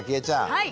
はい。